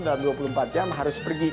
dan dua puluh empat jam harus pergi